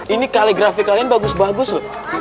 ini kaligrafi kalian bagus bagus loh